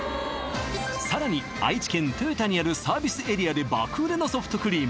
さらに愛知県豊田にあるサービスエリアで爆売れのソフトクリーム